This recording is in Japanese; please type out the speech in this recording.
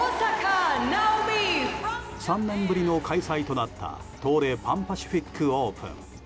３年ぶりの開催となった東レ・パン・パシフィックオープン。